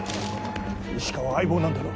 石川は相棒なんだろ？